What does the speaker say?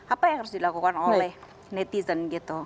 apa yang harus dilakukan oleh netizen gitu